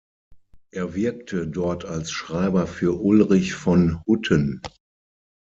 Er wirkte dort als Schreiber für Ulrich von Hutten.